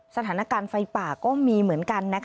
สถานการณ์ไฟป่าก็มีเหมือนกัน